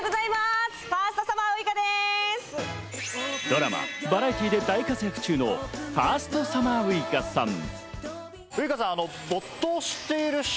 ドラマ、バラエティーで大活躍中のファーストサマーウイカさん。